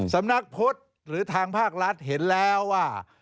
สำนักพุทธหรือทางภาครัฐเห็นแล้วว่า